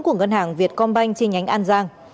của ngân hàng việt công banh trên nhánh an giang